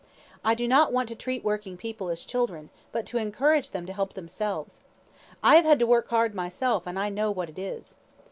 I do not want to treat working people as children, but to encourage them to help themselves. I have had to work hard myself, and I know what it is."